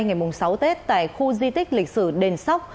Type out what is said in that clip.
ngày sáu tết tại khu di tích lịch sử đền sóc